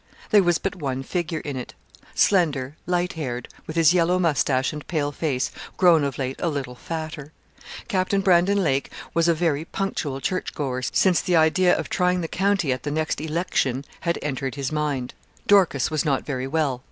There was but one figure in it slender, light haired, with his yellow moustache and pale face, grown of late a little fatter. Captain Brandon Lake was a very punctual church goer since the idea of trying the county at the next election had entered his mind. Dorcas was not very well.